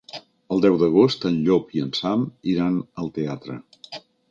El deu d'agost en Llop i en Sam iran al teatre.